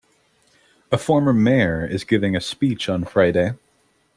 A former mayor is giving a speech on Friday.